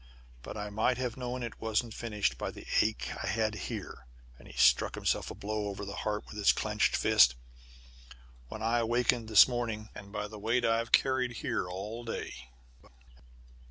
But I might have known it wasn't finished by the ache I had here," and he struck himself a blow over the heart with his clenched fist, "when I waked this morning, and by the weight I've carried here all day."